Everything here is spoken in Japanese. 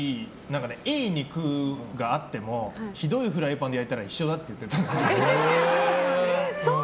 いい肉があってもひどいフライパンで焼いたら一緒だって言ってた。